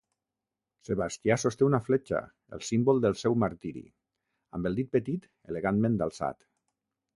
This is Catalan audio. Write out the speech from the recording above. Sebastià sosté una fletxa, el símbol del seu martiri, amb el dit petit elegantment alçat.